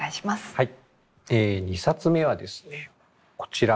はい。